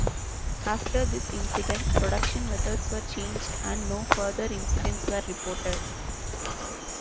After this incident, production methods were changed and no further incidents were reported.